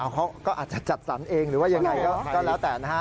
เขาก็อาจจะจัดสรรเองหรือว่ายังไงก็แล้วแต่นะฮะ